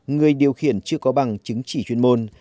người điều khiển chưa có bằng chứng chỉ chuyên môn